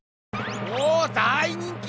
おお大人気！